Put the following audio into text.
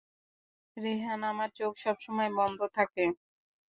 রেহান, আমার চোখ সবসময় বন্ধ থাকে।